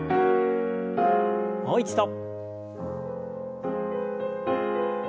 もう一度。